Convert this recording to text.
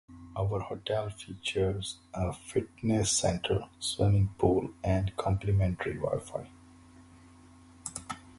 Our hotel features a fitness center, swimming pool, and complimentary Wi-Fi.